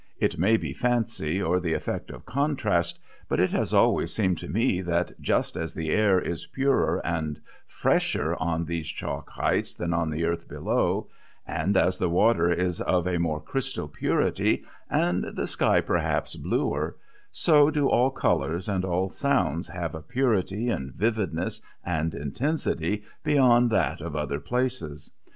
It may be fancy, or the effect of contrast, but it has always seemed to me that just as the air is purer and fresher on these chalk heights than on the earth below, and as the water is of a more crystal purity, and the sky perhaps bluer, so do all colours and all sounds have a purity and vividness and intensity beyond that of other places.